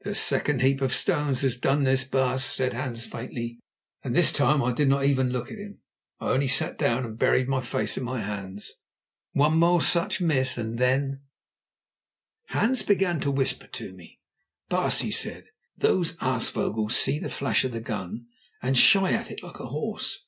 "The second heap of stones has done this, baas," said Hans faintly, and this time I did not even look at him. I only sat down and buried my face in my hands. One more such miss, and then— Hans began to whisper to me. "Baas," he said, "those aasvogels see the flash of the gun, and shy at it like a horse.